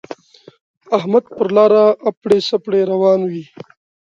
احمد پر لاره اپړې سپړې روان وِي.